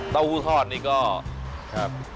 เต้าหู้ทอดนี่ก็